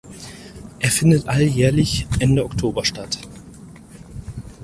Er findet alljährlich Ende Oktober statt.